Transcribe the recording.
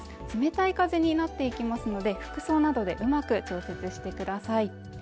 冷たい風になっていきますので服装などでうまく調節してください